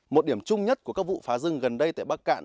một điểm chung nhất của các vụ phá rừng gần đây tại bắc cạn